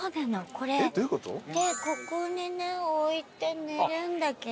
これでここにね置いて寝るんだけど。